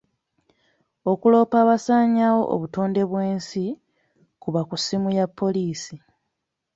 Okuloopa abasaanyaawo obutonde bw'ensi, kuba ku ssimu ya poliisi.